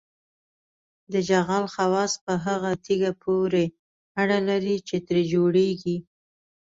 د جغل خواص په هغه تیږه پورې اړه لري چې ترې جوړیږي